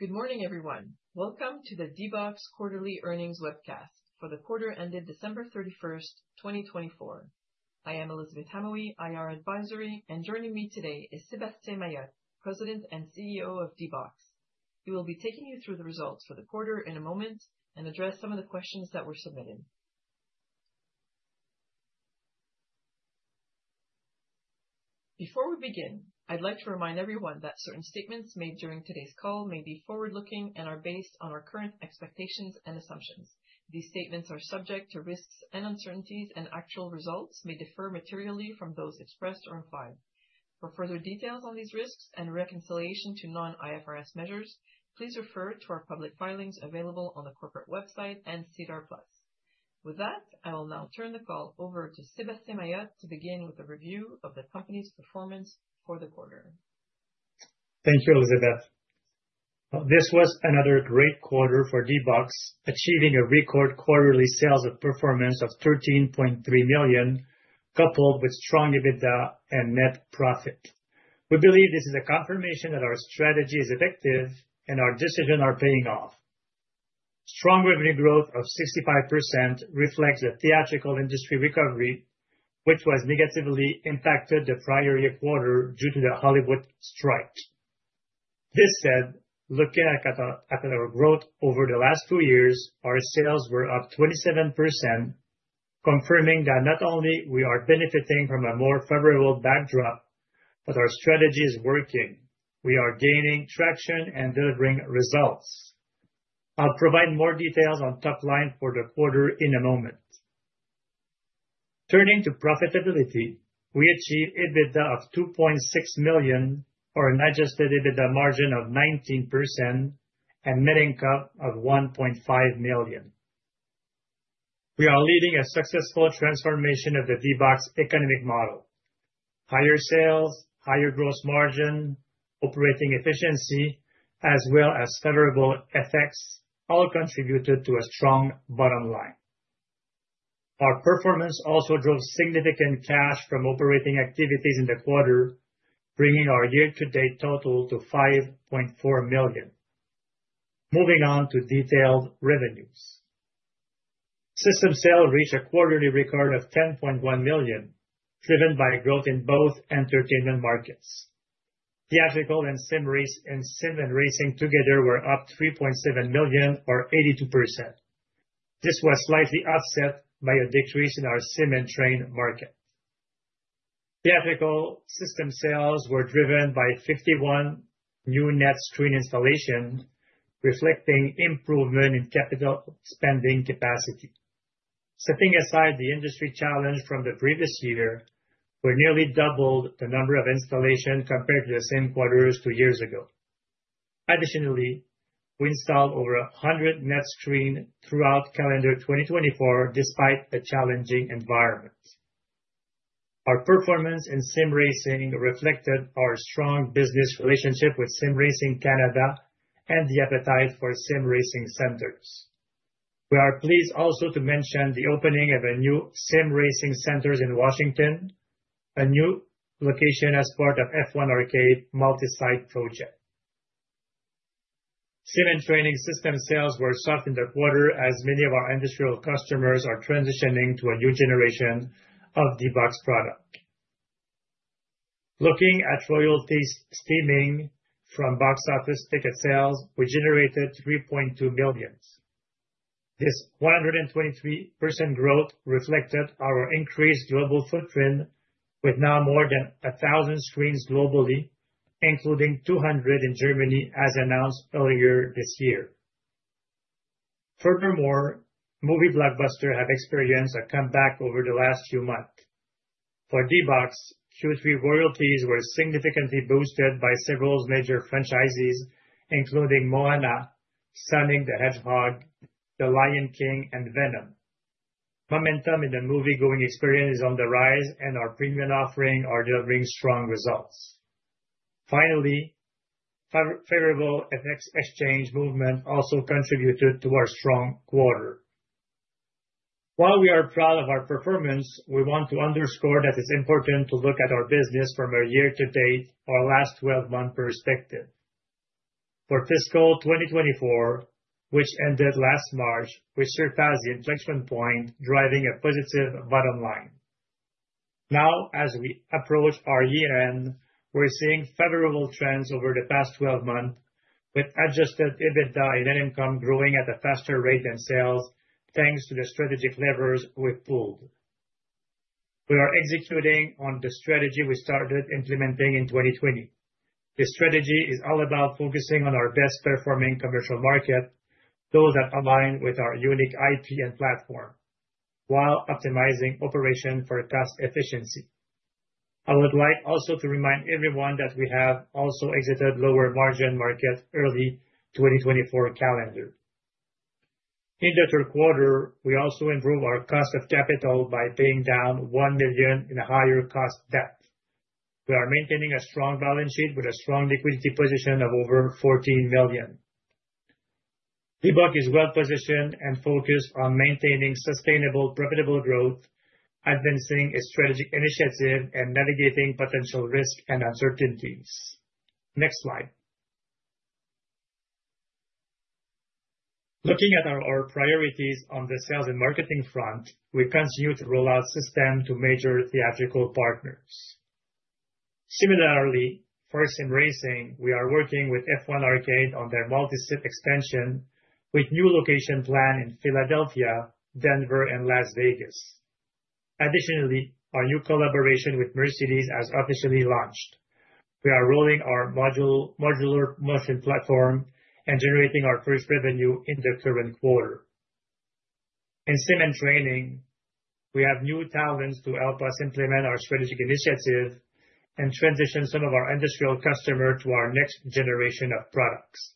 Good morning, everyone. Welcome to the D-BOX Quarterly Earnings webcast for the quarter ended December 31, 2024. I am Elisabeth Hamaoui, IR Advisory, and joining me today is Sébastien Mailhot, President and CEO of D-BOX. He will be taking you through the results for the quarter in a moment and address some of the questions that were submitted. Before we begin, I'd like to remind everyone that certain statements made during today's call may be forward-looking and are based on our current expectations and assumptions. These statements are subject to risks and uncertainties, and actual results may differ materially from those expressed or implied. For further details on these risks and reconciliation to non-IFRS measures, please refer to our public filings available on the corporate website and SEDAR+. With that, I will now turn the call over to Sébastien Mailhot to begin with a review of the company's performance for the quarter. Thank you, Elisabeth. This was another great quarter for D-BOX, achieving a record quarterly sales performance of 13.3 million, coupled with strong EBITDA and net profit. We believe this is a confirmation that our strategy is effective and our decisions are paying off. Strong revenue growth of 65% reflects the theatrical industry recovery, which was negatively impacted the prior year quarter due to the Hollywood strike. This said, looking at our growth over the last two years, our sales were up 27%, confirming that not only are we benefiting from a more favorable backdrop, but our strategy is working. We are gaining traction and delivering results. I'll provide more details on top line for the quarter in a moment. Turning to profitability, we achieved EBITDA of 2.6 million, or an adjusted EBITDA margin of 19%, and net income of 1.5 million. We are leading a successful transformation of the D-BOX economic model. Higher sales, higher gross margin, operating efficiency, as well as favorable effects all contributed to a strong bottom line. Our performance also drove significant cash from operating activities in the quarter, bringing our year-to-date total to 5.4 million. Moving on to detailed revenues, system sales reached a quarterly record of 10.1 million, driven by growth in both entertainment markets. Theatrical and sim racing together were up 3.7 million, or 82%. This was slightly offset by a decrease in our Sim and Training market. Theatrical system sales were driven by 51 new net screen installations, reflecting improvement in capital spending capacity. Setting aside the industry challenge from the previous year, we nearly doubled the number of installations compared to the same quarters two years ago. Additionally, we installed over 100 net screens throughout calendar 2024, despite the challenging environment. Our performance in sim racing reflected our strong business relationship with Sim Racing Canada and the appetite for Sim Racing centers. We are pleased also to mention the opening of a new sim racing center in Washington, a new location as part of the F1 Arcade multi-site project. Sim and Training system sales were soft in the quarter, as many of our industrial customers are transitioning to a new generation of D-BOX product. Looking at royalties stemming from box office ticket sales, we generated 3.2 million. This 123% growth reflected our increased global footprint, with now more than 1,000 screens globally, including 200 in Germany, as announced earlier this year. Furthermore, movie blockbusters have experienced a comeback over the last few months. For D-BOX, Q3 royalties were significantly boosted by several major franchises, including Moana, Sonic the Hedgehog, The Lion King, and Venom. Momentum in the movie-going experience is on the rise, and our premium offering is delivering strong results. Finally, favorable exchange movements also contributed to our strong quarter. While we are proud of our performance, we want to underscore that it's important to look at our business from a year-to-date or last 12-month perspective. For fiscal 2024, which ended last March, we surpassed the inflection point, driving a positive bottom line. Now, as we approach our year-end, we're seeing favorable trends over the past 12 months, with adjusted EBITDA and net income growing at a faster rate than sales, thanks to the strategic levers we pulled. We are executing on the strategy we started implementing in 2020. The strategy is all about focusing on our best-performing commercial market, those that align with our unique IP and platform, while optimizing operations for cost efficiency. I would like also to remind everyone that we have also exited the lower margin market early 2024 calendar. In the third quarter, we also improved our cost of capital by paying down 1 million in higher cost debt. We are maintaining a strong balance sheet with a strong liquidity position of over 14 million. D-BOX is well-positioned and focused on maintaining sustainable profitable growth, advancing a strategic initiative, and navigating potential risks and uncertainties. Next slide. Looking at our priorities on the sales and marketing front, we continue to roll out systems to major theatrical partners. Similarly, for sim racing, we are working with F1 Arcade on their multi-site expansion, with a new location plan in Philadelphia, Denver, and Las Vegas. Additionally, our new collaboration with Mercedes has officially launched. We are rolling our modular motion platform and generating our first revenue in the current quarter. In sim and training, we have new talents to help us implement our strategic initiative and transition some of our industrial customers to our next generation of products.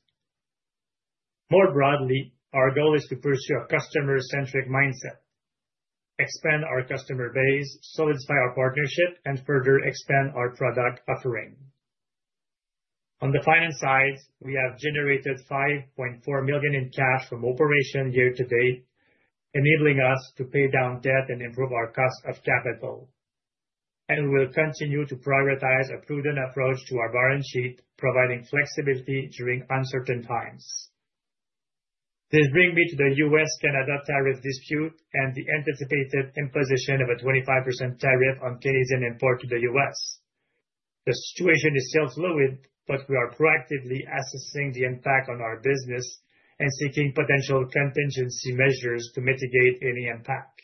More broadly, our goal is to pursue a customer-centric mindset, expand our customer base, solidify our partnership, and further expand our product offering. On the finance side, we have generated 5.4 million in cash from operations year-to-date, enabling us to pay down debt and improve our cost of capital. We will continue to prioritize a prudent approach to our balance sheet, providing flexibility during uncertain times. This brings me to the U.S.-Canada tariff dispute and the anticipated imposition of a 25% tariff on Canadian imports to the U.S. The situation is still fluid, but we are proactively assessing the impact on our business and seeking potential contingency measures to mitigate any impact.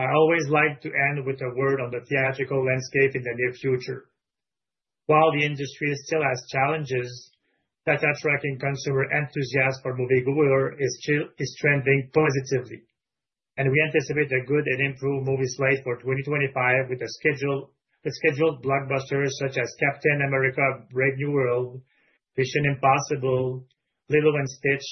I always like to end with a word on the theatrical landscape in the near future. While the industry still has challenges, data-tracking consumer enthusiasm for movie-goers is trending positively, and we anticipate a good and improved movie slate for 2025 with scheduled blockbusters such as Captain America: Brave New World, Mission: Impossible, Lilo & Stitch,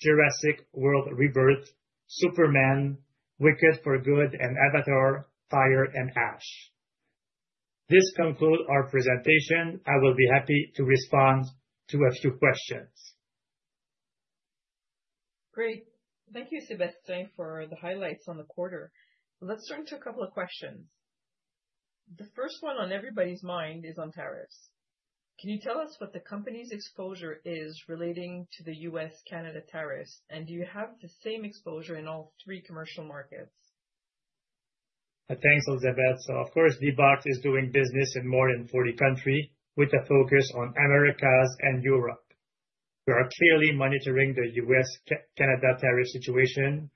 Jurassic World: Rebirth, Superman, Wicked: For Good, and Avatar: Fire and Ash. This concludes our presentation. I will be happy to respond to a few questions. Great. Thank you, Sébastien, for the highlights on the quarter. Let's turn to a couple of questions. The first one on everybody's mind is on tariffs. Can you tell us what the company's exposure is relating to the U.S.-Canada tariffs, and do you have the same exposure in all three commercial markets? Thanks, Elisabeth. D-BOX is doing business in more than 40 countries with a focus on the Americas and Europe. We are clearly monitoring the U.S.-Canada tariff situation,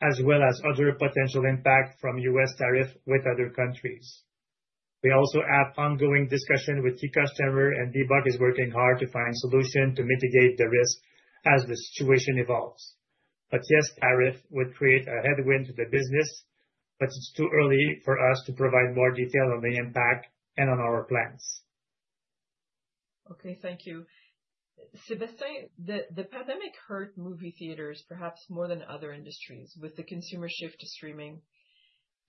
as well as other potential impacts from U.S. tariffs with other countries. We also have ongoing discussions with key customers, and D-BOX is working hard to find solutions to mitigate the risks as the situation evolves. Yes, tariffs would create a headwind to the business, but it's too early for us to provide more detail on the impact and on our plans. Okay, thank you. Sébastien, the pandemic hurt movie theaters perhaps more than other industries with the consumer shift to streaming.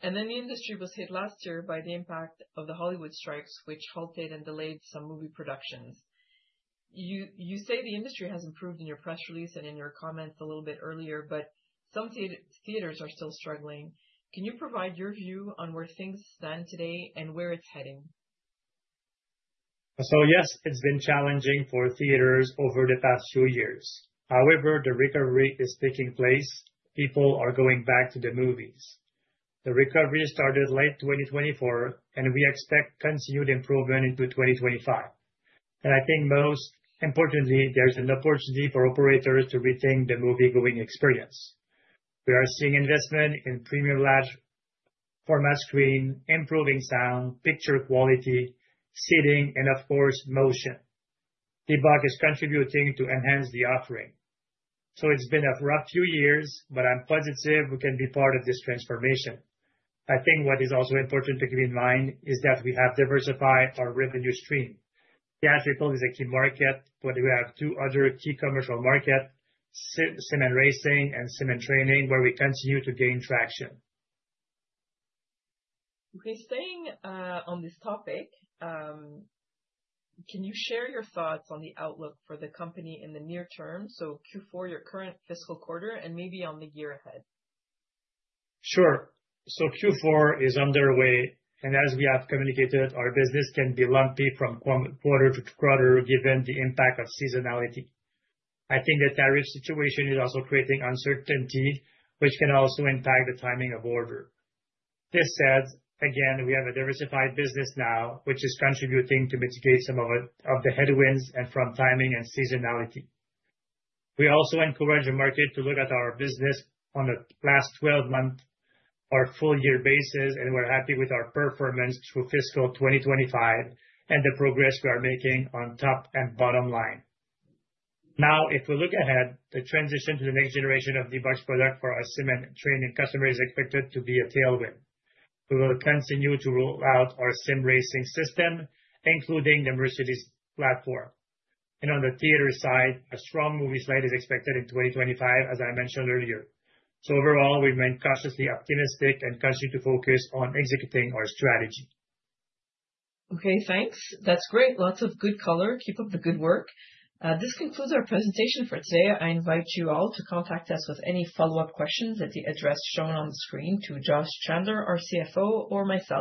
The industry was hit last year by the impact of the Hollywood strikes, which halted and delayed some movie productions. You say the industry has improved in your press release and in your comments a little bit earlier, but some theaters are still struggling. Can you provide your view on where things stand today and where it's heading? Yes, it's been challenging for theaters over the past few years. However, the recovery is taking place. People are going back to the movies. The recovery started late 2024, and we expect continued improvement into 2025. I think most importantly, there's an opportunity for operators to rethink the movie-going experience. We are seeing investment in premium large-format screens, improving sound, picture quality, seating, and, of course, motion. D-BOX is contributing to enhance the offering. It's been a rough few years, but I'm positive we can be part of this transformation. I think what is also important to keep in mind is that we have diversified our revenue stream. Theatrical is a key market, but we have two other key commercial markets, Sim Racing and Sim Training, where we continue to gain traction. Okay, staying on this topic, can you share your thoughts on the outlook for the company in the near term, so Q4, your current fiscal quarter, and maybe on the year ahead? Sure. Q4 is underway, and as we have communicated, our business can be lumpy from quarter to quarter given the impact of seasonality. I think the tariff situation is also creating uncertainty, which can also impact the timing of order. This said, again, we have a diversified business now, which is contributing to mitigate some of the headwinds from timing and seasonality. We also encourage the market to look at our business on the last 12 months or full-year basis, and we're happy with our performance through fiscal 2025 and the progress we are making on top and bottom line. Now, if we look ahead, the transition to the next generation of D-BOX products for our cinema training customers is expected to be a tailwind. We will continue to roll out our sim racing system, including the Mercedes platform. On the theater side, a strong movie slate is expected in 2025, as I mentioned earlier. Overall, we remain cautiously optimistic and continue to focus on executing our strategy. Okay, thanks. That's great. Lots of good color. Keep up the good work. This concludes our presentation for today. I invite you all to contact us with any follow-up questions at the address shown on the screen to Josh Chandler, our CFO, or myself.